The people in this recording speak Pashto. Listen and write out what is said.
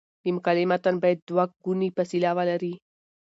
د مقالې متن باید دوه ګونی فاصله ولري.